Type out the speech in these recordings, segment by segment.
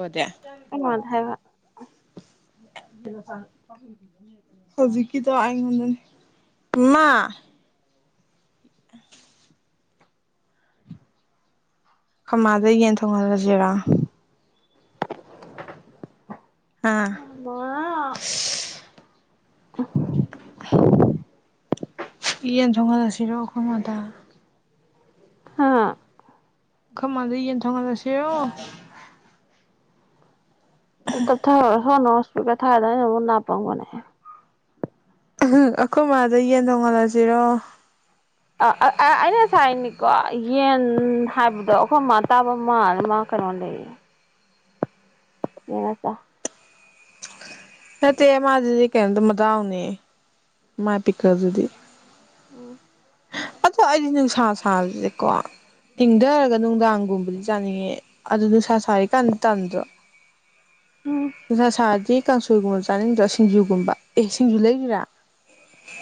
ꯑꯣꯗꯤ ꯈꯣꯏ ꯃꯥꯅꯥ ꯍꯥꯏꯕ ꯍꯧꯖꯤꯛꯀꯤꯗꯣ ꯑꯩꯉꯣꯟꯗꯅꯦ ꯑ ꯀꯃꯥꯗꯩ ꯌꯦꯟ ꯊꯣꯡꯍꯜꯂꯁꯨꯦ ꯨꯖꯔꯥ ꯑꯥ ꯃꯥꯃ ꯑ ꯏꯍꯟ ꯊꯉꯜꯁꯤꯔꯣꯈꯣꯏꯃꯗꯥ ꯍꯥꯥ ꯈꯃꯗ ꯌꯦꯟ ꯊꯣꯡꯉꯂꯁꯣ ꯇ ꯍꯣꯅ ꯀ ꯊꯥꯗ ꯃ ꯅꯅꯥ ꯄꯥꯎꯒꯅꯦ ꯎ ꯑꯩꯈꯣꯏ ꯃꯥꯗꯩ ꯌꯦꯟ ꯊꯣꯡꯉꯜꯂꯁꯤꯔꯣ ꯀꯣ ꯌꯦꯟ ꯍꯥꯏꯕꯗꯣ ꯑꯩꯈꯣꯏ ꯃꯥ ꯇꯥꯕ ꯃꯥꯜ ꯃꯥ ꯀꯩꯅꯣ ꯂꯩꯌꯦ ꯌꯦꯅꯀ ꯍ ꯇ ꯃꯥꯖꯤꯗꯤ ꯀꯗ ꯃꯗꯥꯎꯅꯤ ꯃꯥ ꯄꯀꯥꯗꯨꯗꯤ ꯎꯝ ꯑꯗꯣ ꯑꯩꯗꯤ ꯅꯨꯡꯁꯥ ꯁꯥꯕꯁꯦꯀꯣ ꯏꯪꯊꯔꯒ ꯅꯨꯡꯗꯥꯡꯒꯨꯝꯕꯗꯤ ꯆꯥꯅꯤꯡꯉꯦ ꯑꯗꯨ ꯅꯨꯡꯁꯥ ꯁꯥꯔꯤꯀꯥꯟꯗ ꯇꯟꯗ꯭ꯔꯣ ꯎꯝ ꯑꯗꯨꯁ ꯁꯥꯗꯤ ꯀꯥꯡꯁꯣꯏꯒꯨꯝꯕ ꯆꯥꯅꯤꯡꯗ꯭ꯔꯥ ꯁꯤꯡꯖꯨꯒꯨꯝꯕ ꯑꯦ ꯁꯤꯡꯖꯨ ꯂꯩꯔꯤꯔꯥ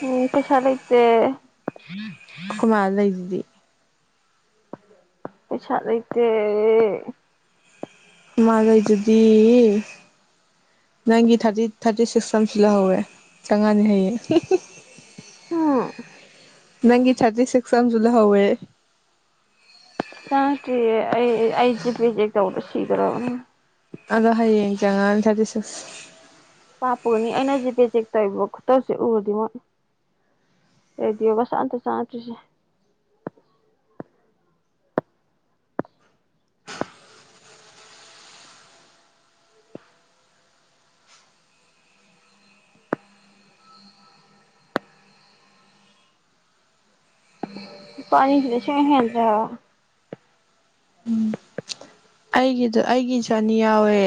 ꯎꯝ ꯁꯦꯁꯗ ꯎꯆ ꯀ ꯃꯥꯜ ꯂꯩꯗꯨꯗꯤ ꯑꯩ ꯆꯗꯩ ꯀ ꯃꯥꯒꯩꯗꯨꯗꯤ ꯅꯪꯒꯤ ꯊꯥꯔꯇꯤ ꯊꯥꯔꯇꯤ ꯁꯤꯛꯁ ꯑꯃꯁꯤ ꯂꯧꯍꯧꯋꯦ ꯆꯪꯉꯅꯤ ꯍꯩꯌꯦ ꯑꯣ ꯅꯪꯒꯤ ꯆꯥꯇꯔꯤ ꯁꯦꯛꯁꯝꯖꯨꯂ ꯍꯋꯦ ꯆꯥꯡꯀꯤ ꯑꯩ ꯑꯩꯖꯦ ꯄꯖꯦ ꯀꯧꯗ ꯁꯤꯒꯔꯅꯤ ꯑꯗꯣ ꯍꯌꯦꯡ ꯆꯉꯥꯡ ꯊꯔꯇ ꯄꯥꯄꯅꯤ ꯑꯩꯅꯖꯤꯕꯦꯖꯤꯦꯛ ꯇꯩꯕꯣꯠꯇꯧꯁꯦ ꯎꯔꯗꯤ ꯃꯣꯏ ꯇꯩꯗꯤ ꯁꯥ ꯑꯟꯇ ꯆꯥꯉꯛꯇ꯭ꯔꯤꯁꯦ ꯄꯅꯤ ꯆ ꯅꯁꯨ ꯍꯦꯟꯗ ꯑꯩꯒꯤꯗ ꯑꯩꯒꯤꯁꯨ ꯑꯅꯤ ꯌꯥꯎꯋꯦ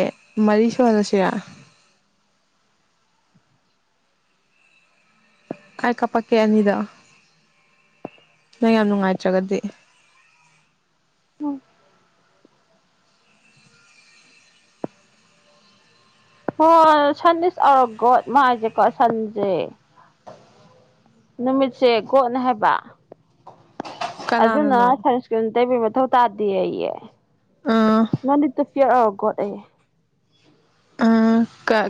ꯃꯔꯤ ꯁꯣꯂꯁꯦ ꯑꯩꯥꯏ ꯀꯥꯄꯛꯀꯦ ꯑꯅꯤꯗ ꯅꯪ ꯌꯥꯝ ꯅꯨꯡꯉꯥꯏꯇ꯭ꯔꯒꯗꯤ ꯎꯝ ꯍꯣꯏ ꯁꯟ ꯏꯁ ꯑꯧꯔꯒꯣ ꯃꯥꯏꯁꯦꯀꯣ ꯁꯟꯁꯦ [inaudible] ꯅꯨꯃꯤꯠꯁꯦ ꯀꯣꯠꯅ ꯍꯥꯏꯕ ꯑꯗꯨꯅ ꯀꯅꯥꯅꯅꯣ ꯁꯪꯁꯀ꯭ꯔꯤꯠ ꯇꯩꯕꯤ ꯃꯊꯧ ꯇꯥꯗꯦ ꯑꯩꯌꯦ ꯑꯥ ꯅꯪꯗꯤ ꯇꯨꯤꯌꯔꯔꯀꯣꯠ ꯑꯩ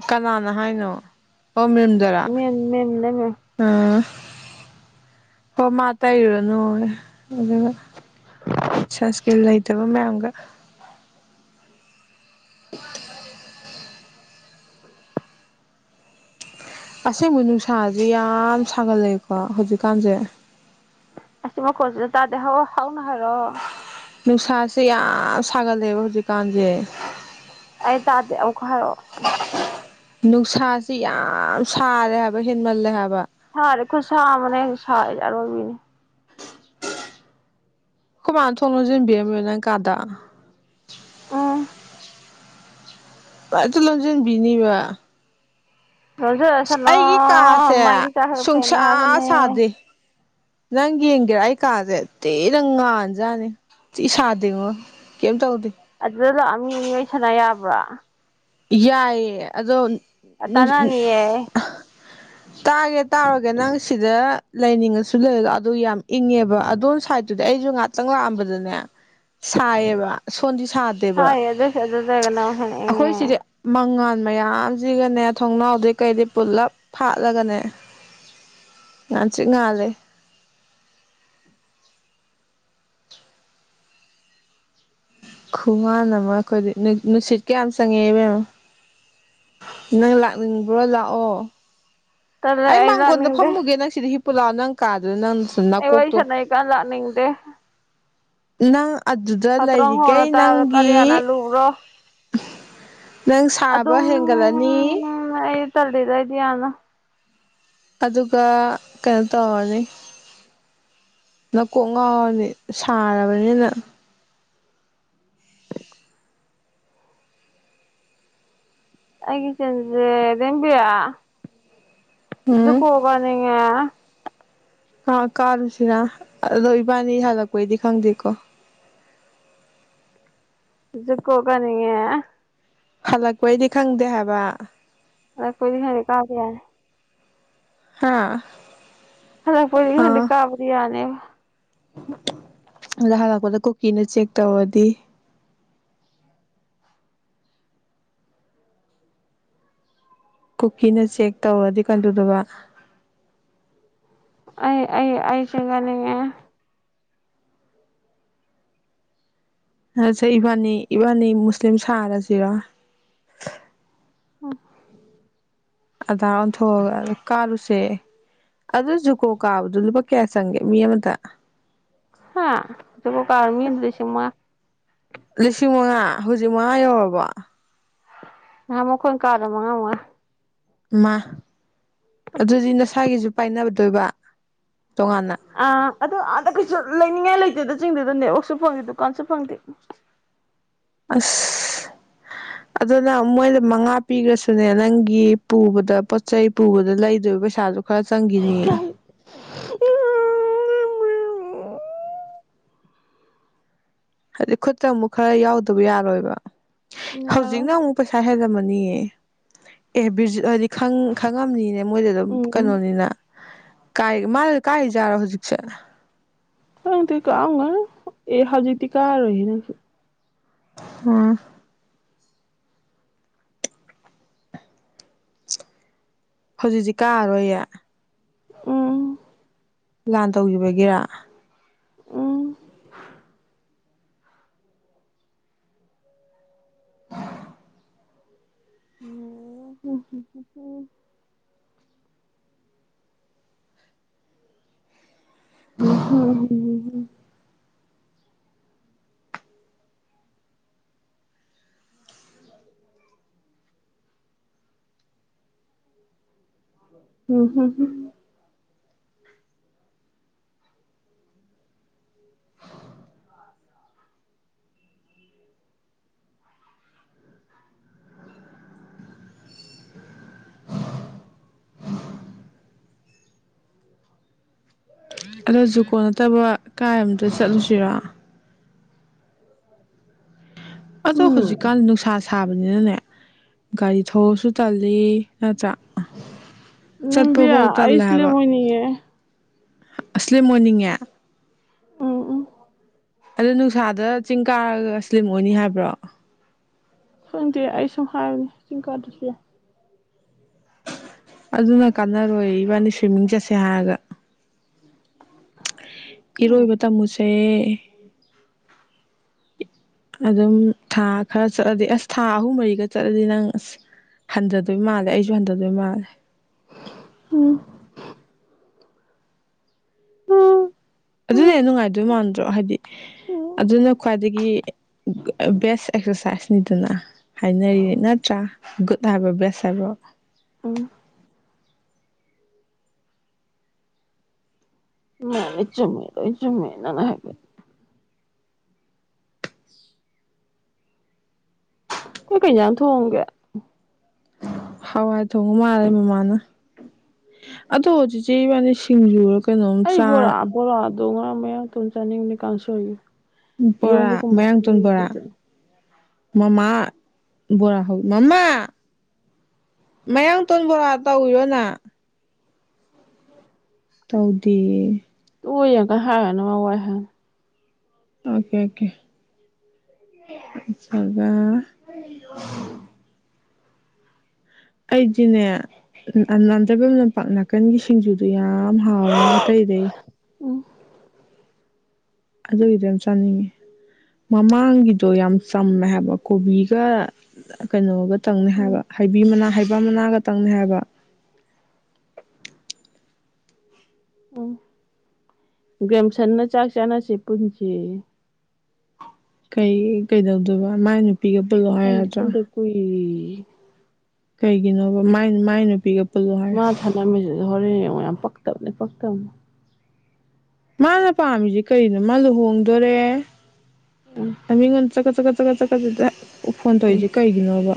ꯀꯅꯥꯅ ꯍꯥꯏꯅꯣ ꯑꯣ ꯃꯔꯨꯝꯖꯔꯥ ꯃꯦꯝ ꯃꯦꯝꯅꯦ ꯃꯦꯝ ꯎꯥ ꯑꯣ ꯃꯥ ꯇꯩꯔꯨꯔꯨꯅꯨ ꯑꯗꯨꯒ ꯁꯁꯀꯤ ꯂꯩꯇꯕ ꯃꯌꯥꯝꯒ [inaudible] ꯑꯁꯦꯡꯕ ꯅꯨꯡꯁꯥꯁꯦ ꯌꯥꯝ ꯁꯥꯒꯠꯂꯛꯑꯦꯀꯣ ꯍꯧꯖꯤꯛꯀꯥꯟꯁꯦ ꯑꯁ ꯃ ꯀꯁꯤ ꯇꯥꯗꯥꯎ ꯍꯥꯎꯅꯍꯥꯏꯔ ꯅꯨꯡꯁꯥꯁꯤ ꯏ ꯁꯒꯜ ꯂꯩꯕ ꯍꯧꯖꯤꯛ ꯑꯩ ꯇꯥꯗꯦ ꯑꯃꯨꯛ ꯍꯥꯏꯔꯛꯑꯣ ꯅꯨꯡꯁꯥꯁꯤ ꯌꯥꯝ ꯁꯥꯔꯦ ꯍꯥꯏꯕ ꯍꯦꯟꯃꯜꯂꯦ ꯍꯥꯏꯕ ꯁꯔꯦ ꯈꯨꯁ ꯃꯅꯦ ꯁ ꯌꯥꯔꯕꯤꯅꯤ ꯑꯩꯈꯣꯏꯃꯥꯟꯅ ꯊꯣꯛꯣꯡꯅꯁꯤꯟꯕꯤꯔꯝꯃꯦ ꯅꯪ ꯀꯥꯗ ꯎ ꯑꯩꯠꯇ ꯂꫭꯖꯟ ꯕꯤꯅꯤꯕ ꯂꫭꯖꯔꯁ ꯅ ꯀꯥꯁꯦ ꯃꯥꯒꯤ ꯆꯈꯔ ꯁꯨꯡꯁꯥ ꯐꯅ ꯍꯥꯏꯕꯅꯦ ꯁꯥꯗꯦ ꯅꯪ ꯌꯦꯡꯒꯦꯔꯥ ꯑꯩ ꯀꯥꯁꯦ ꯇꯤꯗꯪ ꯉꯥꯥꯟꯖꯥꯠꯅꯤ ꯇꯤ ꯁꯥꯗꯦꯉꯣ ꯀꯩꯝ ꯇꯧꯗꯦ ꯑꯗꯨꯗ ꯂꯥꯛꯑꯃꯤ ꯑꯅꯤ ꯑꯣꯏ ꯁꯥꯟꯅ ꯌꯥꯕ꯭ꯔꯥ ꯌꯥꯏꯑꯌꯦ ꯑꯗꯣ ꯑ ꯇꯅꯥꯅꯤꯌꯦ ꯇꯥꯒꯦ ꯇꯥꯔꯒꯦ ꯅꯪ ꯁꯤꯗ ꯂꯩꯅꯤꯡꯉꯁꯨ ꯂꯩꯔꯗꯣ ꯑꯗꯨ ꯌꯥꯝ ꯏꯪꯉꯦꯕ ꯑꯗꯣ ꯁꯥꯏꯠꯇꯨꯗꯤ ꯑꯩꯁꯨ ꯉꯍꯥꯛꯇꯪ ꯂꯥꯛꯑꯝꯕꯗꯅꯦ ꯁꯥꯏꯌꯦꯕ ꯁꯣꯟꯗꯤ ꯁꯥꯗꯦꯕ ꯁꯥꯏ ꯑꯗꯨꯏꯁꯨ ꯑꯗꯨꯗꯒꯅ ꯑꯃꯨꯛ ꯍꯦꯟꯅ ꯑꯩꯈꯣꯏ ꯏꯪꯉꯦ ꯁꯤꯗꯤ ꯃꯉꯥꯜ ꯃꯌꯥꯝꯁꯤꯒꯅꯦ ꯊꯣꯡꯅꯥꯎꯗꯤ ꯀꯩꯗꯤ ꯄꯨꯜꯂꯞ ꯐꯥꯠꯂꯒꯅꯦ ꯉꯥꯟꯇꯤꯛ ꯉꯥꯜꯂꯤ ꯈꯨꯉꯥꯟ ꯑꯃ ꯑꯩꯈꯣꯏꯗꯤ ꯅꯨꯡꯁꯤꯠ ꯀꯌꯥꯝ ꯆꯪꯉꯛꯦꯕꯦꯝꯣ ꯅꯪ ꯂꯥꯛꯅꯤꯡꯕ꯭ꯔꯣ ꯂꯥꯛꯑꯣ ꯇꯂ꯭ꯔꯦ ꯑꯩ ꯂꯥꯛꯅꯤꯡꯗꯦ ꯄꯨꯔꯅ ꯀꯥ ꯑꯩ ꯋꯥꯏ ꯁꯅ ꯀꯥꯟ ꯂ ꯅꯤꯡꯗꯦ ꯅ ꯐꯇ꯭ꯔꯣꯡ ꯍꯣꯡꯅ ꯇꯥ ꯀꯔꯤꯌꯥꯅ ꯂꯨꯕ꯭ꯔꯣ ꯅꯪ ꯁꯥꯕ ꯍꯦꯟꯒꯠꯂꯅꯤ ꯆꯠꯂꯤꯗ ꯑꯩꯗꯤ ꯌꯥꯝꯅ ꯑꯗꯨꯒ ꯀꯩꯅꯣ ꯇꯧꯔꯅꯤ ꯅꯀꯣꯛ ꯉꯥꯎꯔꯅꯤ ꯁꯥꯔꯕꯅꯤꯅ ꯑꯩꯒꯤ ꯆꯥꯞꯁꯦ ꯔꯦꯕꯤꯌꯥ ꯖꯨꯀꯣ ꯎꯝ ꯀꯥꯅꯤꯡꯉꯦ ꯑꯥ ꯀꯥꯔꯨꯁꯤꯅ ꯑꯗꯣ ꯏꯕꯥꯅꯤ ꯍꯜꯂꯛꯄꯩꯗꯤ ꯈꯪꯗꯦꯀꯣ ꯖꯨꯀꯣ ꯀꯥꯅꯤꯡꯉꯦ ꯍꯜꯂꯛꯄꯩꯗꯤ ꯈꯪꯗꯦ ꯍꯥꯏꯕ ꯍꯜꯂꯛꯄꯩꯗꯤ ꯈꯪꯗꯦ ꯀꯥꯕ ꯌꯥꯏ ꯍꯥ ꯫ [unintelligible] ꯀꯥꯕꯗꯤ ꯌꯥꯅꯦ꯫ ꯑꯗ ꯍꯂꯛꯄꯗ ꯀꯨꯀꯤꯅ ꯆꯦꯛ ꯇꯧꯔꯗꯤ꯫ ꯀꯨꯀꯤꯅ ꯆꯦꯛ ꯇꯧꯔꯗꯤ ꯀꯗꯧꯗꯧꯕ꯫ ꯑꯩ ꯑꯩ ꯑꯩ ꯆꯤꯡ ꯀꯅꯤꯡꯉꯦ꯫ ꯅꯠꯇ꯭ꯔ ꯏꯕꯥꯅꯤ ꯏꯕꯥꯅꯤ ꯃꯨꯁꯂꯤꯝ ꯁꯥꯔꯖꯤꯔꯣ꯫ [unintelligible] ꯑꯗꯥꯔ ꯑꯣꯟꯊꯣꯛꯑꯒ ꯀꯥꯔꯨꯁꯦ ꯑꯗꯨ ꯖꯨꯀꯣ ꯀꯥꯕꯗꯣ ꯂꯨꯄꯥ ꯀꯌꯥ ꯆꯪꯒꯦ ꯃꯤ ꯑꯃꯗ꯫ ꯍꯥ ꯖꯨꯀꯣ ꯀꯥꯕ ꯃꯤ ꯑꯃꯗ ꯂꯤꯁꯤꯡ ꯃꯉꯥ꯫ ꯂꯤꯁꯤ ꯃꯉꯥ ꯍꯧꯖꯤꯛ ꯃꯉꯥ ꯌꯧꯔꯕꯣ꯫ ꯅꯍꯥꯟꯃꯨꯛ ꯑꯈꯣꯏꯅ ꯀꯥꯕꯗꯣ ꯃꯉꯥ ꯃꯉꯥ ꯫ ꯢꯃꯥ ꯑꯗꯨꯗꯤ ꯅꯁꯥꯒꯤꯁꯨ ꯄꯥꯏꯅꯕ [unintelligible] ꯑꯥ ꯑꯗꯨꯣ ꯑꯗ ꯀꯩꯁꯨ ꯂꯩꯅꯤꯡꯉꯥꯏ ꯂꯩꯇꯦꯗ ꯆꯤꯡꯗꯨꯗ ꯅꯦꯠꯋꯥꯛꯁꯨ ꯍꯣꯏ ꯗꯨꯀꯥꯟꯁꯨ ꯐꯪꯗꯦ꯫ ꯑꯁ ꯑꯗꯨ ꯅꯪ ꯃꯣꯏꯗ ꯃꯉꯥ ꯄꯤꯒ꯭ꯔꯁꯨꯅꯦ ꯅꯪꯒꯤ ꯄꯨꯕꯗ ꯄꯣꯠ ꯆꯩ ꯄꯨꯕꯗ ꯂꯩꯗꯣꯏꯕ ꯄꯩꯁꯥꯗꯨ ꯈꯔ ꯆꯪꯒꯤꯅꯤ꯫ ꯏꯀꯥꯏ ꯍꯥꯏꯗꯤ ꯈꯨꯠꯇ ꯑꯃꯨꯛ ꯈꯔ ꯌꯥꯎꯗꯕ ꯌꯥꯔꯣꯏꯕ꯫ ꯌꯥꯔꯣꯏ ꯍꯧꯖꯤꯛꯅ ꯑꯃꯨꯛ ꯄꯩꯁꯥ ꯍꯦꯟꯂꯝꯃꯅꯤ ꯅꯤꯌꯦ꯫ ꯑꯦ ꯕꯤꯔꯖꯤꯠ ꯍꯣꯏꯗꯤ ꯈꯪ ꯈꯪꯉꯝꯅꯤꯅꯦ ꯃꯣꯏꯗꯤ ꯑꯗꯨꯝ ꯎꯝ ꯀꯩꯅꯣꯅꯤꯅ ꯀꯥꯏ ꯃꯥꯅ ꯀꯥꯥꯢꯔꯩꯖꯠꯅꯣ ꯍꯧꯖꯤꯛ [unintelligible] ꯈꯡꯗꯦ ꯀꯥꯛꯑꯝꯒꯅꯤ꯫ ꯑꯦ ꯍꯧꯖꯤꯛꯇꯤ ꯀꯥꯔꯔꯣꯏꯍꯦ ꯅꯪꯁꯨ꯫ ꯎꯝ꯫ ꯍꯧꯖꯤꯛꯁꯤ ꯀꯥꯔꯔꯣꯏꯌꯦ꯫ ꯎꯝ꯫ ꯂꯥꯟ ꯇꯧꯒꯤꯕꯒꯤꯔꯥ꯫ ꯎꯝ [unintelligible] [unintelligible] ꯎꯝ [unintelligible] ꯑꯗꯣ ꯖꯨꯀꯣ ꯅꯠꯇꯕ ꯀꯥꯏꯗ ꯑꯃꯇ ꯆꯠꯂꯨꯁꯤꯔꯣ꯫ ꯑꯗꯣ ꯍꯧꯖꯤꯛꯀꯥꯟ ꯅꯨꯡꯁꯥ ꯁꯥ ꯊꯥꯕꯅꯤꯅꯅꯦ ꯒꯥꯔꯤ ꯊꯑꯁꯨ ꯇꯜꯂꯤ ꯅꯠꯇ꯭ꯔ ꯅꯤꯡꯕꯤꯌꯥ ꯑꯁꯂꯤꯦ ꯃꯣꯏꯅꯤꯌꯦ ꯑꯁꯂꯤ ꯃꯣꯔꯅꯤꯡꯉꯦ ꯎꯝ ꯎ ꯑꯗꯨ ꯅꯨꯡꯁꯥꯗ ꯆꯤꯡ ꯀꯥꯔꯒ ꯁ꯭ꯂꯤꯝ ꯑꯣꯏꯅꯤ ꯍꯥꯏꯕ꯭ꯔꯣ ꯁꯪꯗꯦ ꯑꯩ ꯁꯨꯝ ꯍꯥꯏꯕꯨꯅꯦ ꯀꯤꯡ ꯀꯥꯗꯁꯨ ꯌꯥꯏ ꯑꯗꯨꯅ ꯀꯥꯟꯅꯔꯣꯏ ꯏꯕꯥꯅꯤ ꯁ꯭ꯋꯤꯝꯃꯤꯡ ꯆꯠꯁꯦ ꯍꯥꯏꯔꯒ ꯏꯔꯣꯏꯕ ꯇꯝꯃꯨꯁꯦ ꯑꯗꯨꯝ ꯊꯥ ꯈꯔ ꯆꯠꯂꯗꯤ ꯑꯁ ꯊꯥ ꯑꯍꯨꯝ ꯃꯔꯤꯒ ꯆꯠꯂꯗꯤ ꯅꯪ ꯑꯁ ꯍꯟꯊꯗꯣꯏ ꯃꯥꯜꯂꯦ ꯑꯩꯁꯨ ꯍꯟꯊꯗꯣꯏ ꯃꯥꯜꯂꯦ ꯎꯝ ꯎꯝ ꯑꯗꯨꯅꯦ ꯅꯨꯡꯉꯥꯏꯗꯣꯏ ꯃꯥꯟꯗ꯭ꯔꯣ ꯍꯥꯏꯗꯤ ꯑꯗꯨꯅ ꯈ꯭ꯋꯥꯏꯗꯒꯤ ꯕꯦꯁ ꯑꯦꯛꯁꯔꯁꯥꯏꯁꯅꯤꯗꯨꯅ ꯍꯥꯏꯅꯔꯤ ꯅꯠꯇ꯭ꯔꯥ ꯒꯨꯗ ꯍꯥꯏꯕꯣ ꯕꯦꯁ ꯍꯥꯏꯕꯣ ꯎꯝ ꯅ ꯅ ꯆꯃꯦꯅ ꯆꯃꯦꯦꯅꯅ ꯍꯥꯏꯕ ꯀ ꯀꯩꯅꯩꯅꯅ ꯊꯣꯡꯣꯡꯒꯦ ꯍ ꯊꯉ ꯃꯥꯜꯂꯦ ꯃꯃꯥꯅ ꯑꯗꯣ ꯍꯧꯖꯤꯛꯁꯦ ꯏꯕꯥꯅꯤ ꯁꯤꯡꯖꯨꯔ ꯀꯩꯅꯣꯝ ꯑꯩ ꯕꯣꯔ ꯆꯥ ꯕꯣꯔ ꯗꯣꯡꯉ ꯃ ꯇꯨꯅ ꯆꯥꯟꯅꯤ ꯃꯅꯤꯀ ꯀꯥꯡꯁꯥꯌ ꯣꯔꯥ ꯃꯔꯥꯡꯇꯣꯟ ꯕꯣꯔꯥ ꯃꯃꯥ ꯣꯔ ꯍꯜ ꯃꯥ ꯃꯌꯥꯡꯇꯣꯟ ꯕꯣꯔꯥ ꯇꯧꯔꯣꯅ ꯇꯥꯎꯗꯦ ꯇ ꯌꯥ ꯀ ꯍꯥꯏꯅ ꯍꯥꯏꯅ ꯑꯣꯀꯦ ꯑꯣꯀꯦ ꯑꯩꯗꯤꯅꯦ ꯅꯥꯟꯊꯩꯐꯝꯝ ꯂꯝꯄꯥꯛ ꯅꯥꯀꯟꯒꯤ ꯁꯤꯡꯖꯨꯗꯨꯣ ꯌꯥꯝ ꯍꯥꯎꯋꯦꯣ ꯑꯇꯩꯗꯩ ꯑꯣ ꯑꯗꯨꯒꯤꯗꯤ ꯌꯥꯝꯝ ꯆꯥꯅꯤꯡꯉꯤ ꯃꯃꯥꯡꯒꯤꯗꯣ ꯌꯥꯝ ꯆꯝꯃꯦ ꯍꯥꯏꯕ ꯀꯣꯕꯤꯒ ꯀꯩꯅꯣꯒ ꯇꯪꯅꯤ ꯍꯥꯏꯕ ꯍꯩꯕꯤ ꯃꯅꯥ ꯕ ꯃꯅꯥꯒꯇꯪꯅꯤ ꯍꯥꯏꯕ ꯎ ꯦꯦꯝꯁꯟꯅ ꯆꯥꯛ ꯆꯥꯅꯁꯦ ꯄꯨꯟꯁꯤꯦ ꯀꯩ ꯀꯩꯗꯧꯗꯣꯏꯕ ꯃ ꯅꯨ ꯈꯪꯗꯦ ꯄꯒꯕꯨꯜꯗ꯭ꯔ ꯄꯨꯟꯗ [inaudible] ꯀꯩꯒꯤꯅꯣꯕ ꯃꯥꯏ ꯅꯨꯄꯤꯒ ꯄꯨꯜꯂꯨ ꯍꯥꯏꯔꯦ ꯃꯥ ꯊꯥꯟ ꯃ ꯍ ꯌꯥꯝ ꯄꯛꯇꯕꯅꯦꯅꯤ ꯄꯛꯇꯅꯦ ꯃꯥꯅ ꯄꯥꯝꯃꯤꯁꯤ ꯀꯔꯤꯅꯣ ꯃꯥ ꯂꯨꯍꯣꯡꯗꯣꯔꯦ ꯃꯤ ꯉꯣꯟ ꯆ ꯀꯆ ꯀ ꯆꯖꯀꯠ ꯆꯀ ꯆꯗ ꯐꯣꯟ ꯇꯧꯏꯁꯦ ꯀꯩꯒꯤꯅꯣꯕ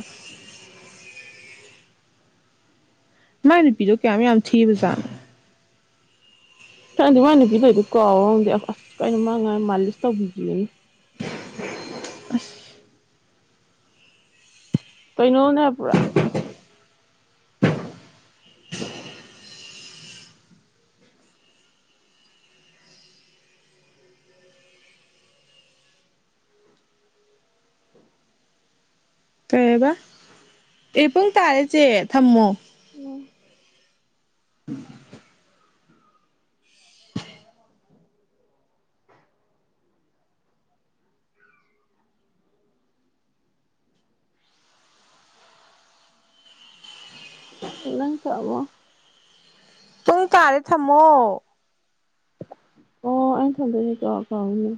ꯃꯥꯥꯏ ꯅꯨꯄꯤꯗꯣ ꯀꯌꯥꯝ ꯃꯨꯛ ꯌꯥꯝ ꯊꯤꯕ ꯖꯥꯠꯅꫭ ꯈꯪꯗꯦ ꯃꯥꯏ ꯅꯨꯄꯤꯗ ꯑꫭꯏꯗꯤ ꯀꯥꯎ [unintelligible] ꯑꯁ ꯀꯩꯅꫭ ꯃꯥꯥ ꯉꯥꯡꯏ ꯃꯥꯜꯂꯤꯁ ꯇꯧꯕꯤꯒꯦꯅꯤ ꯀꯩꯅꫭꯝꯅꯦ ꯍꯥꯏꯕ ꯄꯨꯔꯥ ꯀꯩꯑꯕꯥ ꯑꯦ ꯄꯨꯡ ꯇꯥꯔꯦ ꯆꯦ ꯊꯝꯃꯣ [inaudible] ꯅꯪ [unintelligible] ꯃꫭ ꯄꯨꯡ ꯇꯥꯔꯦ ꯊꯝꯃꯣ ꯑꯣ ꯑꯩꯅ ꯊꯝꯗꫭꯅꯤꯀꫭ ꯀꯥꯎꯏꯅꯦ